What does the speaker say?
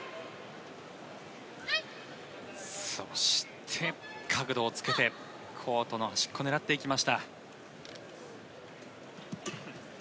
そして、角度をつけてコートの端っこ狙っていきました。